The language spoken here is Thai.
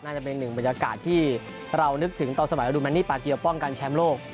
จะเป็นหนึ่งบรรยากาศที่เรานึกถึงตอนสมัยอรุณนี่ปาเกียวป้องกันแชมป์โลก